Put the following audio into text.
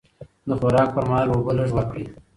د خوراک پر مهال اوبه لږ ورکړئ.